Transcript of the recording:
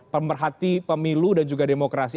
pemerhati pemilu dan juga demokrasi